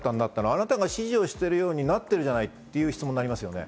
あなたが指示しているようになってるじゃないという質問がありますね。